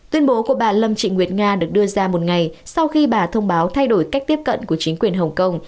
tuyên bố của bà lâm trịnh nguyệt nga được đưa ra một ngày sau khi bà thông báo thay đổi cách tiếp cận của chính quyền hồng kông